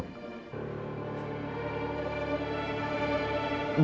kami mau menjenguk pak haris dok